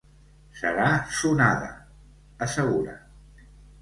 Serà sonada —assegura—.